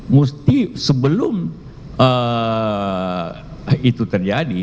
mesti sebelum itu terjadi